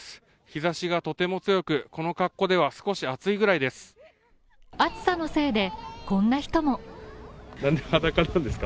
日差しがとても強く、この格好では少し暑いぐらいです